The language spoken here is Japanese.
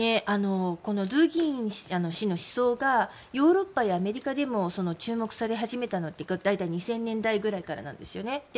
このドゥーギン氏の思想がヨーロッパやアメリカでも注目され始めたのって大体２０００年代ぐらいからなんですね。